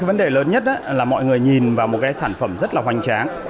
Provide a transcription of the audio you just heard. vấn đề lớn nhất là mọi người nhìn vào một cái sản phẩm rất là hoành tráng